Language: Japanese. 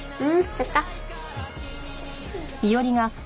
そっか。